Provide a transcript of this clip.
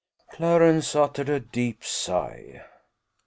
Clarence uttered a deep sigh.